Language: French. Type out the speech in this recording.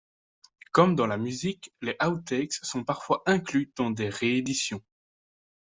Comme dans la musique, les outtakes sont parfois inclus dans des ré-éditions.